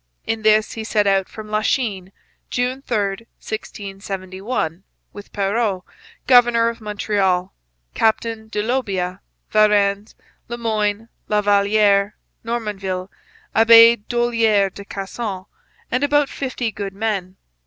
In this he set out from Lachine (June 3, 1671) with Perrot, governor of Montreal, Captain de Laubia, Varennes, Le Moyne, La Valliere, Normanville, Abbe Dollier de Casson, and about fifty good men.